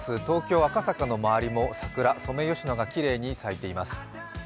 東京・赤坂の周りも桜、ソメイヨシノがきれいに咲いています。